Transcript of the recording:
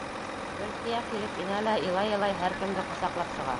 Зөлхиә килеп инә лә илай-илай һәр кемде ҡосаҡлап сыға.